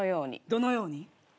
どのように？